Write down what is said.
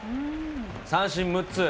三振６つ。